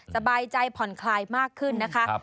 สบายใจผ่อนคลายมากขึ้นนะคะ